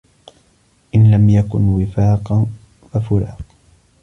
إن لم يكن وفاق ففراق